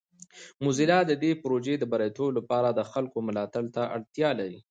موزیلا د دې پروژې د بریالیتوب لپاره د خلکو ملاتړ ته اړتیا لري.